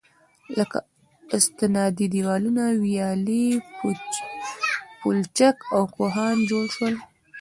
لكه: استنادي دېوالونه، ويالې، پولچك او كوهيان جوړ شول.